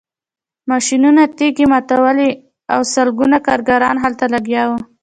ماشینونو تیږې ماتولې او سلګونه کارګران هلته لګیا وو